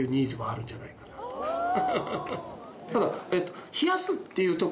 ただ。